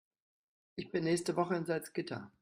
Ich bin nächste Woche in Salzgitter